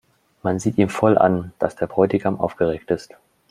Man sieht ihm voll an, dass der Bräutigam aufgeregt ist.